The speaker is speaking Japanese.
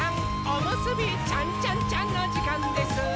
おむすびちゃんちゃんちゃんのじかんです！